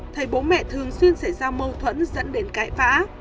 thầy bố mẹ thường xuyên xảy ra mâu thuẫn dẫn đến cãi vã